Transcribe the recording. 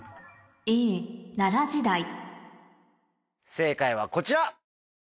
正解はこちら。